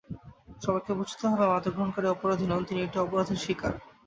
সবাইকে বুঝতে হবে, মাদক গ্রহণকারী অপরাধী নন, তিনি একটা অপরাধের শিকার।